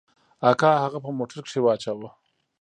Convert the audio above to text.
اکا هغه په موټر کښې واچاوه.